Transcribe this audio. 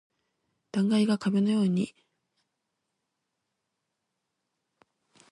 断崖が壁のように千仞も高く切り立ちそびえていること。また仏教の語として「へきりゅうせんじん」と読み、仏法の真理が高遠なことのたとえ。